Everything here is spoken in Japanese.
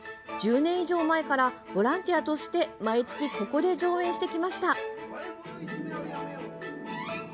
１０年以上前からボランティアとして毎月、ここで上演してきました。